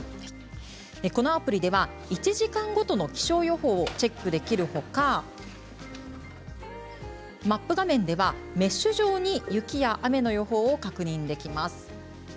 このアプリでは１時間ごとの気象予報をチェックできるほかマップ画面ではメッシュ状に雪や雨の予報を確認できます。